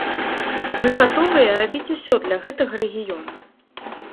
Мы гатовыя рабіць усё для гэтага рэгіёну.